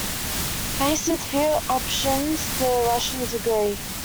Faced with few options the Russians agree.